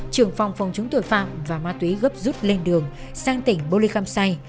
trưởng phòng phòng chống tội phạm và ma túy gấp rút lên đường sang tỉnh bô lê khăm say